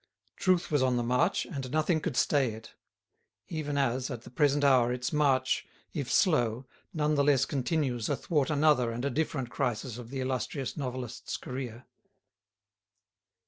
Truth was on the march and nothing could stay it; even as, at the present hour, its march, if slow, none the less continues athwart another and a different crisis of the illustrious novelist's career.